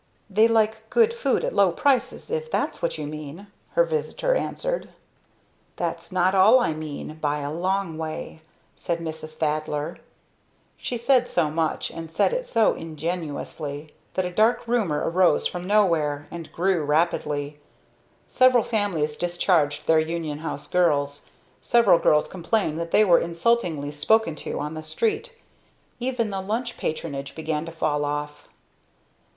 "They like good food at low prices, if that's what you mean," her visitor answered. "That's not all I mean by a long way," said Mrs. Thaddler. She said so much, and said it so ingeniously, that a dark rumor arose from nowhere, and grew rapidly. Several families discharged their Union House girls. Several girls complained that they were insultingly spoken to on the street. Even the lunch patronage began to fall off.